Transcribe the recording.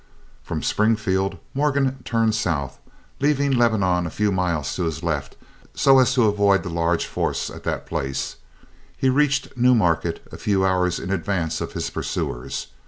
From Springfield Morgan turned south, leaving Lebanon a few miles to his left, so as to avoid the large force at that place; he reached New Market a few hours in advance of his pursuers.